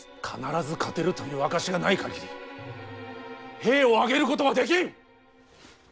必ず勝てるという証しがない限り兵を挙げることはできん！